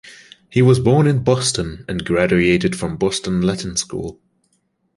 He was born in Boston and graduated from Boston Latin School.